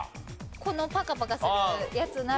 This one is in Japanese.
このパカパカするやつなら。